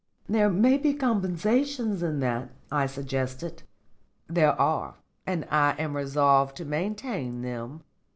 "There may be compensations in that," I suggested. "There are, and I am resolved to maintain them.